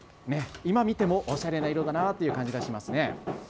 今見ても、おしゃれな色だなという感じがしますね。